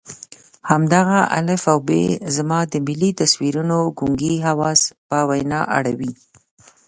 همدغه الف او ب زما د ملي تصویرونو ګونګي حواس په وینا اړوي.